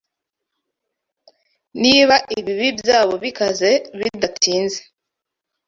Niba ibibi byabo bikaze bidatinze